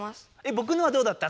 ぼくのはどうだった？